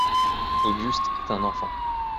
Auguste est un enfant…